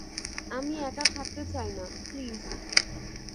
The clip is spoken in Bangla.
আমি একা থাকতে চাই না, প্লিজ।